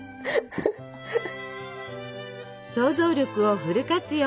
想像力をフル活用！